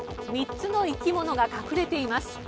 ３つの生き物が隠れています。